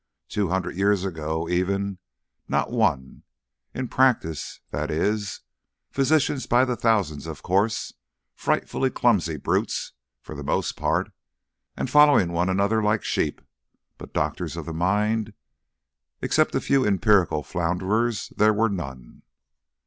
Two hundred years ago even not one! In practice, that is. Physicians by the thousand, of course frightfully clumsy brutes for the most part, and following one another like sheep but doctors of the mind, except a few empirical flounderers there were none."